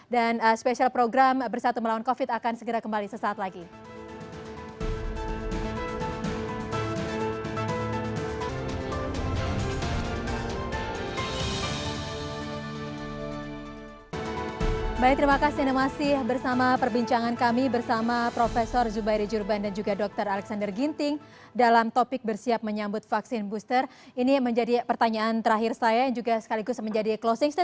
dan spesial program bersatu melawan covid akan segera kembali sesaat lagi